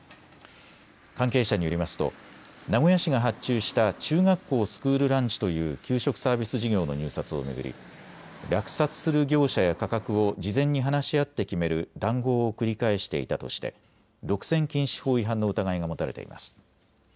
関係者によりますと名古屋市が発注した中学校スクールランチという給食サービス事業の入札を巡り落札する業者や価格を事前に話し合って決める談合を繰り返していたとして独占禁止法違反の疑いが持たれています。